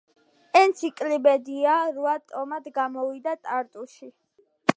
ენციკლოპედია რვა ტომად გამოვიდა ტარტუში.